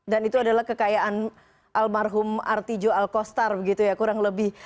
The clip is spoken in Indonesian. dan itu adalah kekayaan almarhum artijo alkostar gitu ya kurang lebih